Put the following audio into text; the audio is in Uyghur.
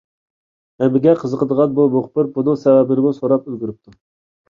ھەممىگە قىزىقسىنىدىغان بۇ مۇخبىر بۇنىڭ سەۋەبىنىمۇ سوراپ ئۈلگۈرۈپتۇ.